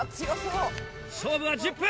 勝負は１０分！